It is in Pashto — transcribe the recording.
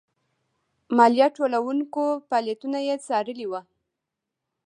مالیه ټولوونکو فعالیتونه یې څارلي وو.